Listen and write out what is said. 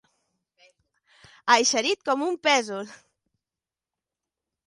Eixerit com un pèsol.